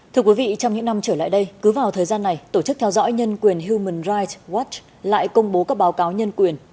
thưa quý vị trong những năm trở lại đây cứ vào thời gian này tổ chức theo dõi nhân quyền human rights watch lại công bố các báo cáo nhân quyền